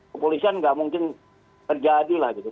kepolisian nggak mungkin terjadi lah gitu